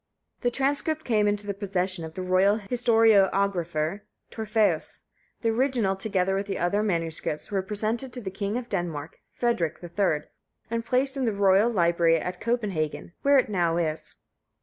The transcript came into the possession of the royal historiographer Torfæus; the original, together with other MSS., was presented to the King of Denmark, Frederick. III., and placed in the royal library at Copenhagen, where it now is.